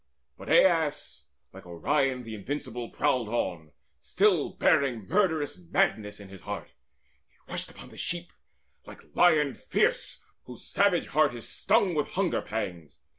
But Aias, like Orion the invincible, prowled on, Still bearing murderous madness in his heart. He rushed upon the sheep, like lion fierce Whose savage heart is stung with hunger pangs.